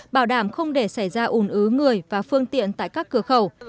bảo đảm không để xảy ra ủn ứ người và phương tiện tại các cửa khẩu